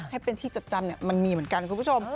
ให้เป็นที่จดจำมันมีเหมือนกันคุณผู้ชม